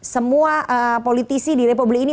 semua politisi di republik ini